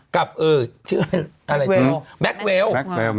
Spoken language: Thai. กับอะไรแบ็กเวล